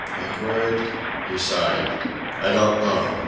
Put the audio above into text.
I queried. He sighed. "I don't know.